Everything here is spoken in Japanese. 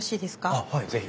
あっはい是非。